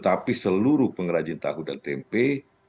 tapi seluruh pengrajin tahu dan tempe